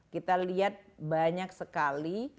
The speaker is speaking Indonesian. kita lihat banyak sekali